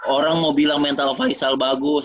orang mau bilang mental faisal bagus